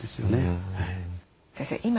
先生